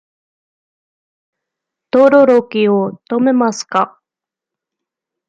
とどろきを止めますか。